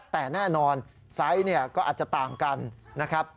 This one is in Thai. แต่แน่นอนไซส์เนี่ยก็อาจจะต่างกันนะครับ